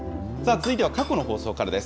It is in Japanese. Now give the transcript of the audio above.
続いては過去の放送からです。